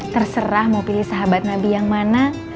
terserah mau pilih sahabat nabi yang mana